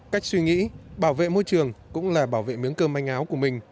cách suy nghĩ bảo vệ môi trường cũng là bảo vệ miếng cơm manh áo của mình